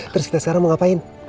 terus kita sekarang mau ngapain